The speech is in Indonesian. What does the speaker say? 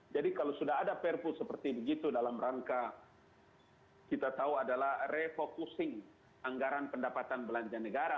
jadi kalau sudah ada purpose seperti itu dalam rangka kita tahu adalah refocusing anggaran pendapatan belanja negara